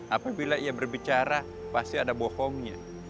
apabila ia berbicara pasti ada bohongnya